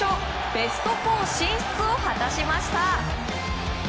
ベスト４進出を果たしました。